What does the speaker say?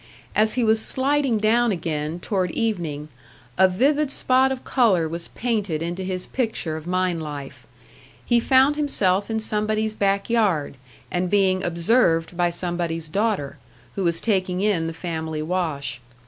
As he was sliding down again, toward evening, a vivid spot of colour was painted into his picture of mine life; he found himself in somebody's back yard, and being observed by somebody's daughter, who was taking in the family wash.